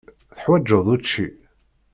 Teḥwaǧeḍ učči?